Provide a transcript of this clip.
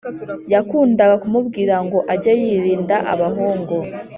yakundaga kumubwira ngo age yirinda abahungu.